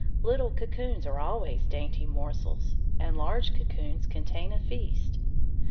Little cocoons are always dainty morsels, and large cocoons contain a feast.